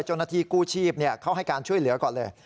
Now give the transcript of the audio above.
เจ้าหน้าที่กู้ชีพเขาให้การช่วยเหลือก่อนเลย